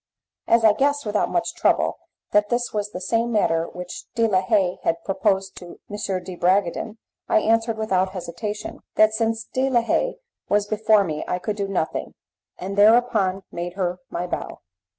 As I guessed without much trouble that this was the same matter which De la Haye had proposed to M. de Bragadin, I answered without hesitation that since De la Haye was before me I could do nothing, and thereupon made her my bow.